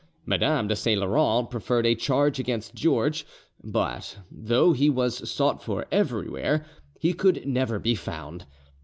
Madame de Saint Laurent preferred a charge against George, but though he was sought for everywhere, he could never be found.